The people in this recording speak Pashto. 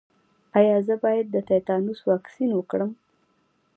ایا زه باید د تیتانوس واکسین وکړم؟